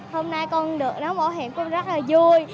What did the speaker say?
hôm nay con được nón bảo hiểm con rất là vui